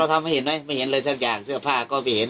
ถ้าเราทำไม่เห็นไหมไม่เห็นเลยสักอย่างเสื้อผ้าก็ไม่เห็น